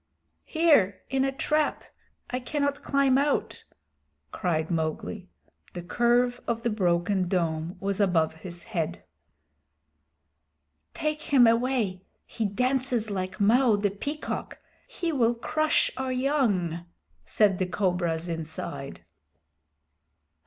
"Here, in a trap. I cannot climb out," cried Mowgli. The curve of the broken dome was above his head. "Take him away. He dances like Mao the Peacock. He will crush our young," said the cobras inside.